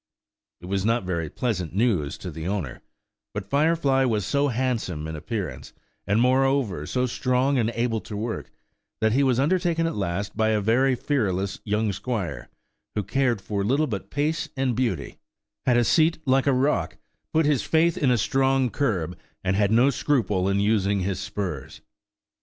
It was not very pleasant news to the owner, but Firefly was so handsome in appearance, and moreover, so strong and able to work, that he was undertaken at last by a very fearless young squire, who cared for little but pace and beauty, had a seat like a rock, put his faith in a strong curb, and had no scruple in using his spurs.